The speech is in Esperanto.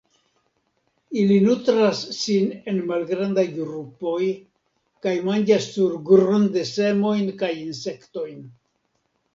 Ili nutras sin en malgrandaj grupoj, kaj manĝas surgrunde semojn kaj insektojn.